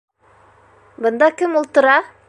Бында кем ултыра?